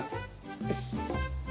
よし。